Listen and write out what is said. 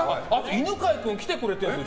犬飼君、来てくれてるんですよ